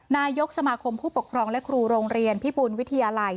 นายกสมาคมผู้ปกครองและครูโรงเรียนพิบูลวิทยาลัย